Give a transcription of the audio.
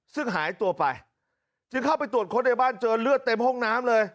ซึ่งหายตัวไปจึงเข้าไปตรวจค้นในบ้านเจอเลือดเต็มห้องน้ำเลย